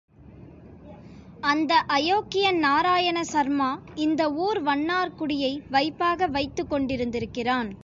அந்த அயோக்கியன் நாராயண சர்மா, இந்த ஊர் வண்ணாரக் குடியை வைப்பாக வைத்துக் கொண்டிருந்திருக்கிறான்.